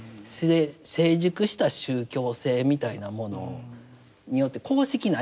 成熟した宗教性みたいなものによって公式ないわけですから。